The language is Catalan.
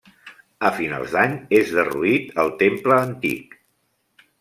A finals d'any és derruït el temple antic.